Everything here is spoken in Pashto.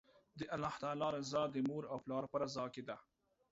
د الله تعالی رضا، د مور او پلار په رضا کی ده